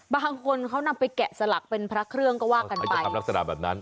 บางคนเขานำไปแกะสลักเป็นพระเครื่องก็ว่ากันไปทำลักษณะแบบนั้น